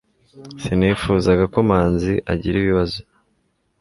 Sinifuzaga ko manzi agira ibibazo